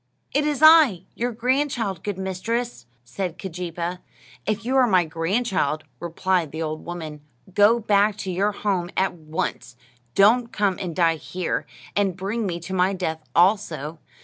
"It is I, your grandchild, good mistress," said Keejeepaa. "If you are my grandchild," replied the old woman, "go back to your home at once; don't come and die here, and bring me to my death also."